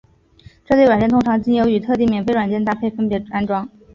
这类软件通常经由与特定免费软件搭配分别安装。